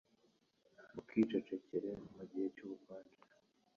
mukicecekere mu gihe cyubukonje!